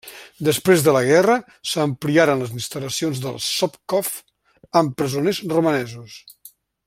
Després de la guerra, s'ampliaren les instal·lacions del sovkhoz amb presoners romanesos.